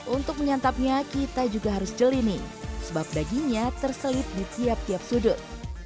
untuk menyantapnya kita juga harus jelini sebab dagingnya terselip di tiap tiap sudut